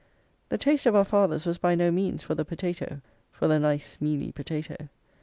The taste of our fathers was by no means for the potato; for the "nice mealy potato."